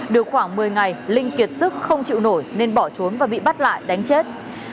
được khoảng một mươi ngày linh kiệt sức không chịu nổi nên bỏ trốn và bị bắt lại đánh chết